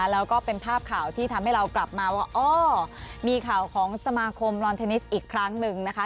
แล้วก็เป็นภาพข่าวที่ทำให้เรากลับมาว่าอ้อมีข่าวของสมาคมลอนเทนนิสอีกครั้งหนึ่งนะคะ